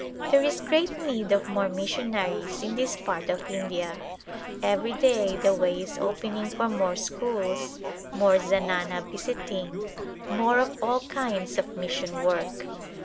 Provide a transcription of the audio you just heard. There is great need of more missionaries in this part of India. Every day the way is opening for more schools, more zanana visiting, more of all kinds of mission work.